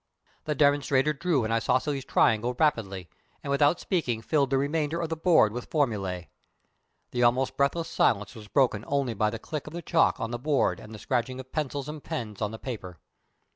The demonstrator drew an isosceles triangle rapidly, and without speaking filled the remainder of the board with formulæ. The almost breathless silence was broken only by the click of the chalk on the board and the scratching of pencils and pens on paper.